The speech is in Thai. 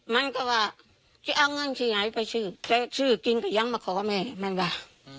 มันก็ว่าจะเอาเงินที่ไหนไปชื่อแต่ชื่อกินก็ยังมาขอแม่มันว่า